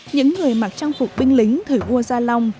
những người mặc trang phục binh lính thời vua gia long